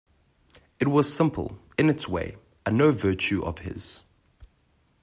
It was simple, in its way, and no virtue of his.